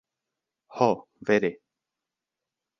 Ho, vere.